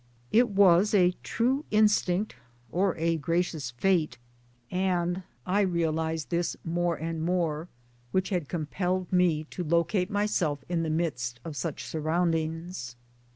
It was a true instinct or a gracious Fate and I realized this more 19 i4"6 MY DAYS AND DREAMS and more which had compelled me to locate myself in the midst of such surroundings.